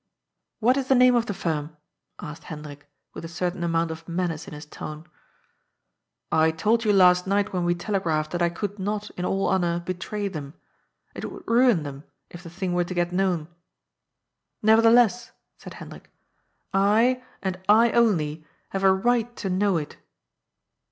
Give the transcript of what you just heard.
" What is the name of the firm ?" asked Hendrik, with a certain amount of menace in his tone. " I told you last night when we telegraphed that I could not, in all honor, betray them. It would ruin them, if the thing were to get known." " Nevertheless," said Hendrik, " I, and I only, have a right to know it."